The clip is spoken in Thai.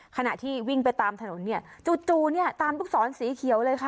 ขณะที่วิ่งไปตามถนนเนี่ยจู่เนี่ยตามลูกศรสีเขียวเลยค่ะ